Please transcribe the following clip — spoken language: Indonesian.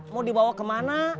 mau dibawa kemana